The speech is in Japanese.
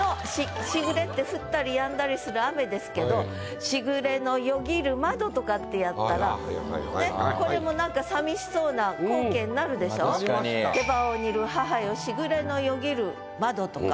時雨って降ったり止んだりする雨ですけど「時雨の過ぎる窓」とかってやったらこれもなんか「手羽を煮る母よ時雨の過ぎる窓」とか。